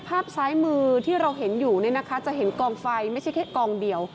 ภาพซ้ายมือที่เราเห็นอยู่จะเห็นกองไฟไม่ใช่แค่กองเดียว